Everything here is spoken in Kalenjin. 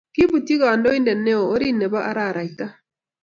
Kiiputyi kandoindet neo orit nebo araraita